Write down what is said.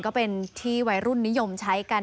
ก็เป็นที่วัยรุ่นนิยมใช้กัน